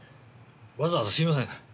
わざわざすいません。